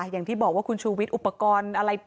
อย่างที่บอกว่าคุณชูวิทอุปกรณ์อะไร